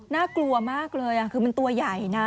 น่ากลัวมากเลยคือมันตัวใหญ่นะ